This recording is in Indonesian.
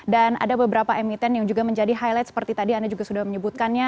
dan ada beberapa emiten yang juga menjadi highlight seperti tadi anda juga sudah menyebutkannya